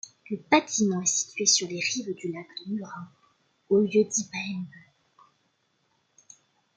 Le bâtiment est situé sur les rive du lac de Murin, au lieu-dit Paimbu.